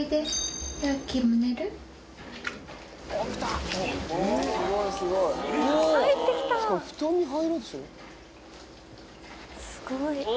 すごい。